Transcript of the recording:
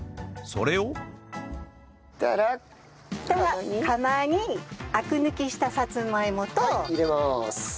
そしたら釜にアク抜きしたさつまいもと。はい入れます。